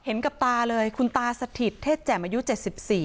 เห็นกับตาเลยคุณตาสถิตเทศแจ่มอายุ๗๔คน